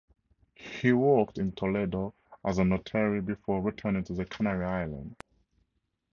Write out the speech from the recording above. He worked in Toledo as a notary before returning to the Canary Islands.